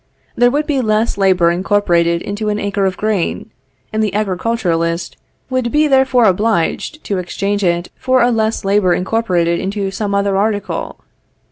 There would be less labor incorporated into an acre of grain, and the agriculturist would be therefore obliged to exchange it for a less labor incorporated into some other article.